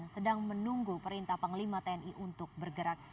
sedang menunggu perintah panglima tni untuk bergerak